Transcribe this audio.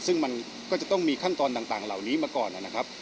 ซึ่งมันก็จะต้องมีขั้นตอนต่างเหล่านี้มาก่อนนะครับ